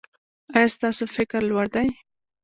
ایا ستاسو فکر لوړ دی؟